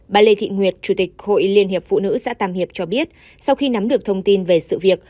bà lê thị nguyệt chủ tịch hội liên hiệp phụ nữ xã tam hiệp cho biết sau khi nắm được thông tin về sự việc